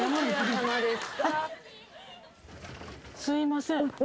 すいません。